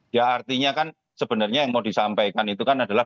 ya artinya kan sebenarnya yang mau disampaikan itu kan adalah